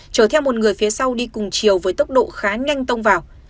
chở theo một người phía sau đi cùng chiều với tốc độ khá nhanh tông vào